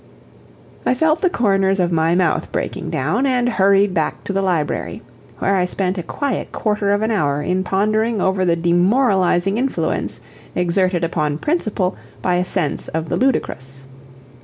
I felt the corners of my mouth breaking down, and hurried back to the library, where I spent a quiet quarter of an hour in pondering over the demoralizing influence exerted upon principle by a sense of the ludicrous.